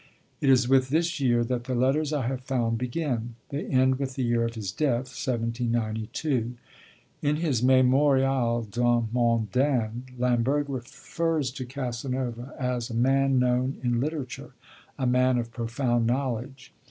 It is with this year that the letters I have found begin: they end with the year of his death, 1792. In his Mémorial d'un Mondain Lamberg refers to Casanova as 'a man known in literature, a man of profound knowledge.'